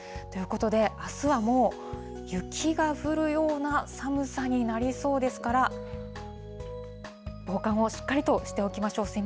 ということで、あすはもう雪が降るような寒さになりそうですから、防寒をしっかりとしておきましょう。